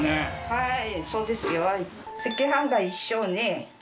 はい。